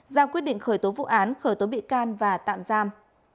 ra quyết định khởi tố vụ án khởi tố bị can và tạm giam